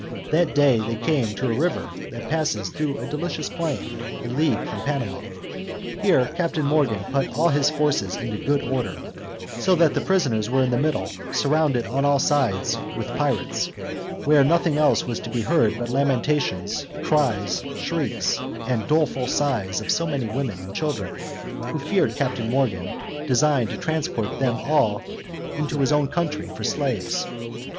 That day they came to a river that passes through a delicious plain, a league from Panama: here Captain Morgan put all his forces into good order, so as that the prisoners were in the middle, surrounded on all sides with pirates, where nothing else was to be heard but lamentations, cries, shrieks, and doleful sighs of so many women and children, who feared Captain Morgan designed to transport them all into his own country for slaves.